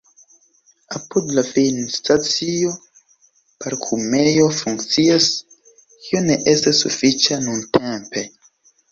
Apud la finstacio parkumejo funkcias, kio ne estas sufiĉa nuntempe.